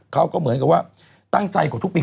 เขาก็เหมือนกับว่าตั้งใจกว่าทุกปี